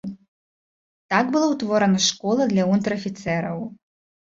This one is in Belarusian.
Так была ўтворана школа для унтэр-афіцэраў.